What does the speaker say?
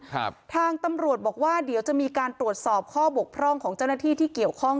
ทางตำรวจบอกว่าเดี๋ยวจะมีการตรวจสอบข้อบกพร่องของเจ้าหน้าที่ที่เกี่ยวข้อง